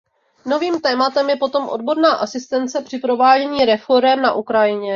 Novým tématem je potom odborná asistence při provádění reforem na Ukrajině.